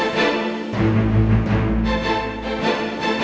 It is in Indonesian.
ini ada diterima terhadap mereka